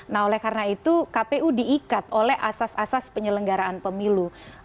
nah oleh karena itu kpu diikat oleh asas asas penyelenggaraan pemilu